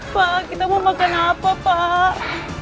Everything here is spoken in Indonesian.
pak kita mau makan apa pak